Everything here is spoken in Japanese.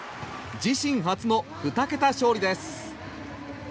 自身初の２桁勝利です。